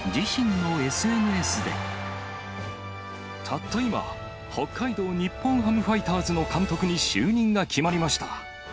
たった今、北海道日本ハムファイターズの監督に就任が決まりました。